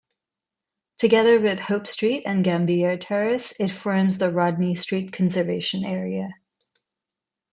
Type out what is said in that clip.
Together with Hope Street and Gambier Terrace it forms the Rodney Street conservation area.